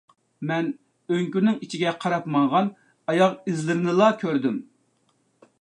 مەن ئۆڭكۈرنىڭ ئىچىگە قاراپ ماڭغان ئاياغ ئىزلىرىنىلا كۆردۈم